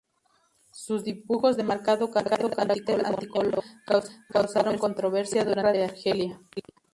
Sus dibujos de marcado carácter anticolonial causaron controversia durante la guerra de Argelia.